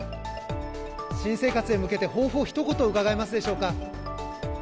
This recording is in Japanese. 新生活へ向けて抱負をひと言、伺えますでしょうか？